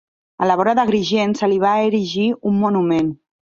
A la vora d'Agrigent se li va erigir un monument.